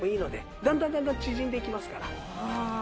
だんだんだんだん縮んでいきますから。